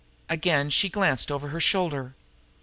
Again she glanced over her shoulder.